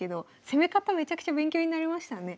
めちゃくちゃ勉強になりましたね。